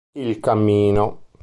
Il cammino